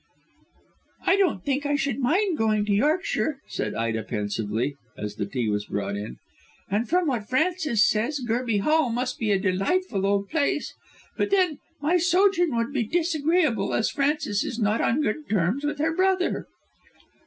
"I don't think I should mind going to Yorkshire," said Ida pensively, as the tea was brought in; "and from what Frances says Gerby Hall must be a delightful old place. But then, my sojourn would be disagreeable, as Frances is not on good terms with her brother."